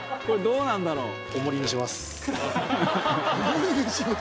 まおもりにします。